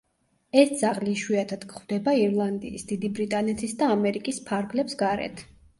ეს ძაღლი იშვიათად გვხვდება ირლანდიის, დიდი ბრიტანეთის და ამერიკის ფარგლებს გარეთ.